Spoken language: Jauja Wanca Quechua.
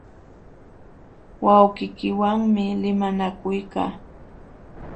Wawqiykiwanmi limanakuykaa.